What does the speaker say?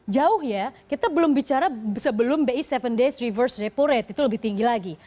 jauh ya kita belum bicara sebelum bi tujuh days reverse repo rate itu lebih tinggi lagi